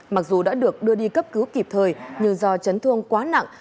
mặc dù đã được đưa đi cấp cứu kịp thời nhưng do chấn thương quá nặng